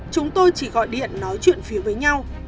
chúng tôi chỉ gọi điện nói chuyện phía với nhau